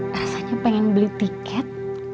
rasanya pengen beli tiket